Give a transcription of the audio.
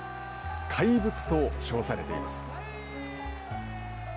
怪物と称されています。